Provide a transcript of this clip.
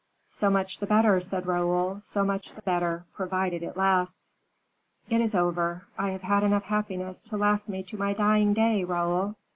"So much the better," said Raoul; "so much the better, provided it lasts." "It is over. I have had enough happiness to last me to my dying day, Raoul."